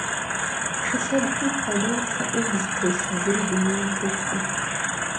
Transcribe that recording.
Шылъэгухэм хуэдэу фэ ӏув зытелъ зыри дунейм теткъым.